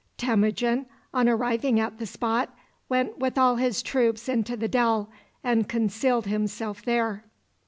Temujin, on arriving at the spot, went with all his troops into the dell, and concealed himself there.